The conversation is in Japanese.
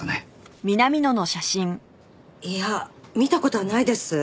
いや見た事はないです。